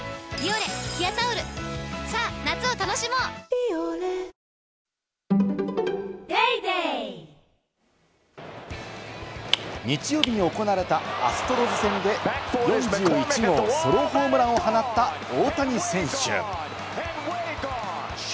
「ビオレ」日曜日に行われたアストロズ戦で４１号ソロホームランを放った大谷選手。